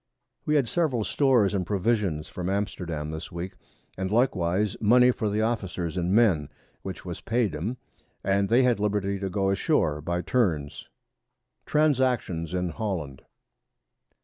We had several Stores and Provisions from Amsterdam this Week, and likewise Money for the Officers and Men, which was paid 'em, and they had Liberty to go a shoar by turns. [Sidenote: _Transactions in Holland.